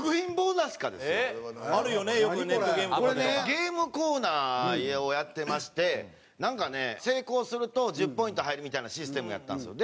ゲームコーナーをやってましてなんかね成功すると１０ポイント入るみたいなシステムやったんですよ。